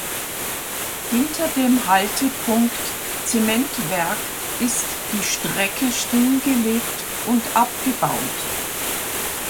Hinter dem Haltepunkt Zementwerk ist die Strecke stillgelegt und abgebaut.